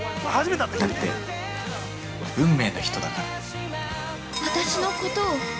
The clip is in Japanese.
だって運命の人だから。